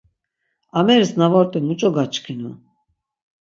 Ameris na vort̆i muç̌o gaçkinu.